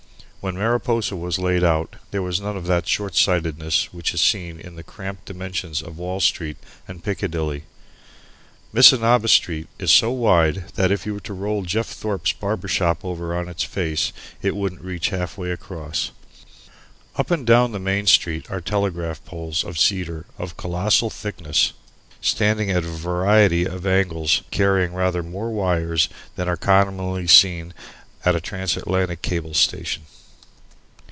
When Mariposa was laid out there was none of that shortsightedness which is seen in the cramped dimensions of Wall Street and Piccadilly. Missinaba Street is so wide that if you were to roll Jeff Thorpe's barber shop over on its face it wouldn't reach half way across. Up and down the Main Street are telegraph poles of cedar of colossal thickness, standing at a variety of angles and carrying rather more wires than are commonly seen at a transatlantic cable station.